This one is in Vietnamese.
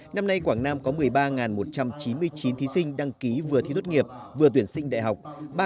năm nay quảng nam có một mươi ba một trăm chín mươi chín thí sinh đăng ký vừa thi tốt nghiệp vừa tuyển sinh đại học